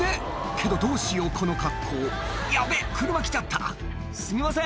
「けどどうしようこの格好ヤベェ車来ちゃった」「すみません